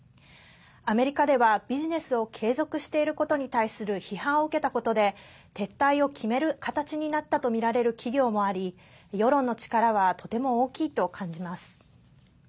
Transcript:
アメリカではビジネスを継続していることに対する批判を受けたことで撤退を決める形になったとみられる企業もあり世論の力はとても大きいと感じます。